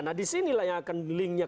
nah di sinilah yang akan linknya